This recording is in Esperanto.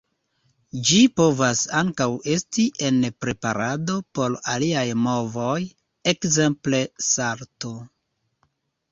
Ĝi povas ankaŭ esti en preparado por aliaj movoj, ekzemple salto.